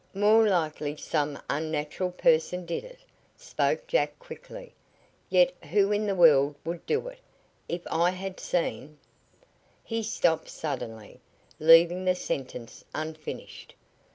"More likely some unnatural person did it," spoke Jack quickly. "Yet who in the world would do it? If I had seen " He stopped suddenly, leaving the sentence unfinished.